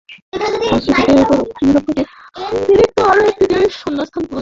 ফলশ্রুতিতে ইউরোপ থেকে অতিরিক্ত আরও একটি দেশ শূন্যস্থান পূরণ করে।